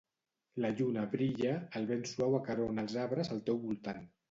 La lluna brilla, el vent suau acarona els arbres al teu voltant.